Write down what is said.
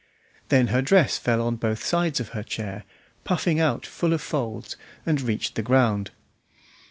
Then her dress fell on both sides of her chair, puffing out full of folds, and reached the ground.